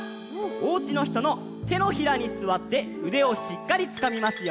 おうちのひとのてのひらにすわってうでをしっかりつかみますよ。